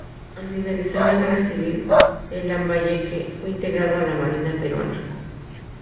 Al finalizar la guerra civil, el "Lambayeque", fue integrado a la Marina peruana.